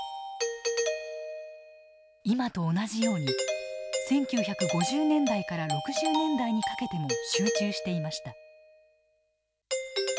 今と同じように１９５０１９６０年代にかけても集中していました。